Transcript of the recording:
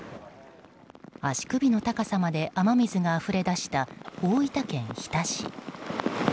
足首の高さまで雨水があふれ出した大分県日田市。